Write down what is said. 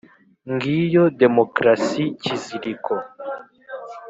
Ngiyo Democratie kiziliko